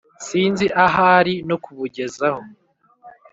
sinzi ahari no kubugezaho